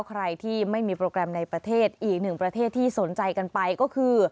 ใครที่ไม่มีโปรแกรมในประเทศอีกหนึ่งประเทศที่สนใจกันไปก็คือ